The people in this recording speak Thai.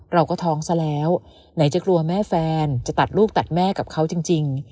เราก็ท้องซะแล้วไหนจะกลัวแม่แฟนจะตัดลูกตัดแม่กับเขาจริง